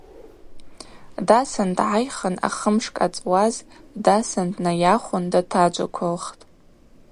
Дасын дгӏайхын ахымшкӏ ъацӏуаз, дасын, днайахвын датаджвыквылхтӏ.